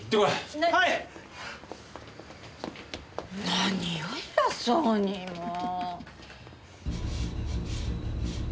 何よ偉そうにもう。